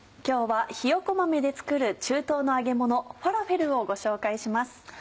今日はひよこ豆で作る中東の揚げもの「ファラフェル」をご紹介します。